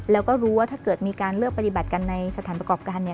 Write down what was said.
แล้วก็รู้ว่าถ้าเกิดมีการเลือกปฏิบัติกันในสถานประกอบการเนี่ย